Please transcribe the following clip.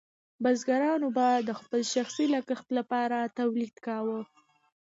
بزګرانو به د خپل شخصي لګښت لپاره تولید کاوه.